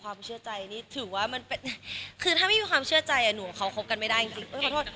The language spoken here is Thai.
ความเชื่อใจนี่ถือว่าคือถ้าไม่มีความเชื่อใจอ่ะหนูกับเขาคบกันไม่ได้จริง